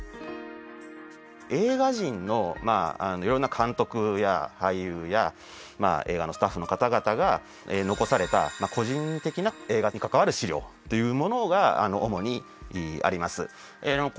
映画人のまあいろんな監督や俳優や映画のスタッフの方々が残された個人的な映画に関わる資料というものが主にあります。